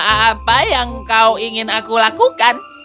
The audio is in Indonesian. apa yang kau ingin aku lakukan